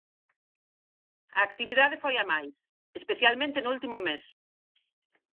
A actividade foi a máis; especialmente no último mes.